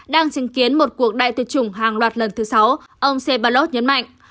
đang chứng kiến một cuộc đại tuyệt chủng hàng loạt lần thứ sáu ông sebalot nhấn mạnh